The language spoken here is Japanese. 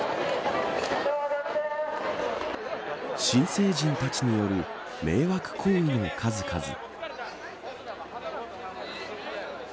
新成人たちによる迷惑行為の数々。